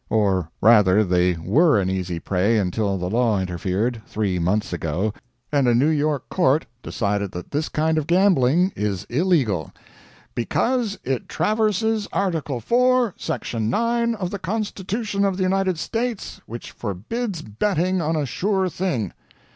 Or rather they were an easy prey until the law interfered, three months ago, and a New York court decided that this kind of gambling is illegal, "because it traverses Article IV, Section 9, of the Constitution of the United States, which forbids betting on a sure thing."